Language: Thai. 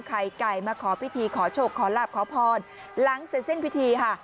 ไข่ไก่มาขอพิธีขอโชคขอลาบขอพรหลังเสร็จสิ้นพิธีค่ะ